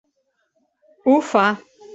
Ho fa.